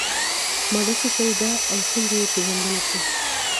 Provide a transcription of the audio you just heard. ماده څه شی ده او څنګه یې پیژندلی شو.